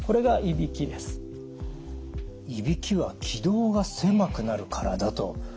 いびきは気道が狭くなるからだと。